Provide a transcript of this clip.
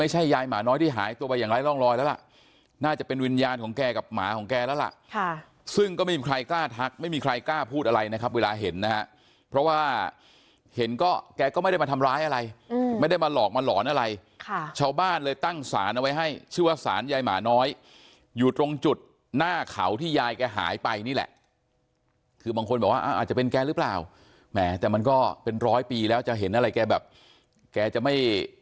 หมาของแกแล้วล่ะซึ่งก็ไม่มีใครกล้าทักไม่มีใครกล้าพูดอะไรนะครับเวลาเห็นนะครับเพราะว่าเห็นก็แกก็ไม่ได้มาทำร้ายอะไรไม่ได้มาหลอกมาหลอนอะไรชาวบ้านเลยตั้งศาลเอาไว้ให้ชื่อว่าศาลยายหมาน้อยอยู่ตรงจุดหน้าเข่าที่ยายแกหายไปนี่แหละคือบางคนบอกว่าอาจจะเป็นแกหรือเปล่าแต่มันก็เป็นร้อยปีแล้วจะเห็นอะไรแกแบ